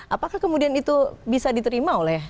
apakah kemudian itu bisa diterima oleh